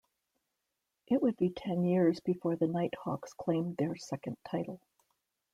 It would be ten years before the Knighthawks claimed their second title.